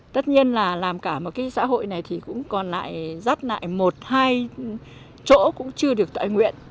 tất nhiên là làm cả một cái xã hội này thì cũng còn lại rắt lại một hai chỗ cũng chưa được tại nguyện